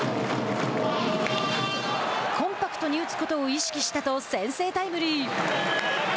コンパクトに打つことを意識したと先制タイムリー。